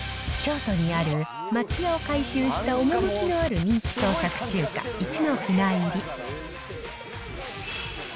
京都にある町屋を改修した趣のある人気創作中華、一之船入。